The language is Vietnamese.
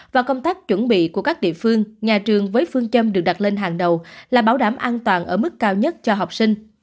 và công tác chuẩn bị của các địa phương nhà trường với phương châm được đặt lên hàng đầu là bảo đảm an toàn ở mức cao nhất cho học sinh